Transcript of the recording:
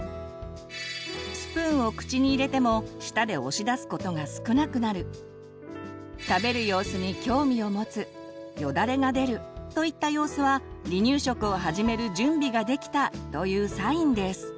スプーンを口に入れても舌で押し出すことが少なくなる食べる様子に興味を持つよだれが出るといった様子は「離乳食を始める準備ができた」というサインです。